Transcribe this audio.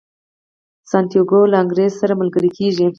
سانتیاګو له انګریز سره ملګری کیږي.